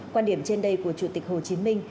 quan điểm trên đây của chủ tịch hồ chí minh